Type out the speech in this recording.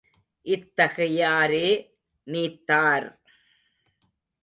இத்தகை யாரே நீத்தார்!